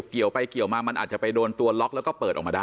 เกี่ยวไปเกี่ยวมามันอาจจะไปโดนตัวล็อกแล้วก็เปิดออกมาได้